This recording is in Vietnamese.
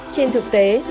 trên thực tế